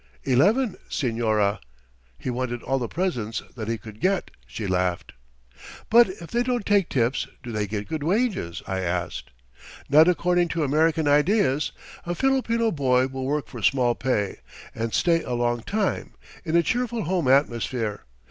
'Eleven, señora!' He wanted all the presents that he could get," she laughed. "But if they don't take tips, do they get good wages?" I asked. "Not according to American ideas. A Filipino boy will work for small pay, and stay a long time, in a cheerful home atmosphere.